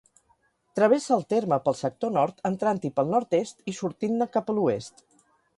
Travessa el terme pel sector nord, entrant-hi pel nord-est i sortint-ne cap a l'oest.